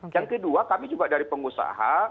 yang kedua kami juga dari pengusaha